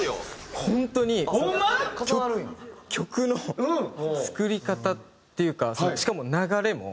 本当に曲の作り方っていうかしかも流れも。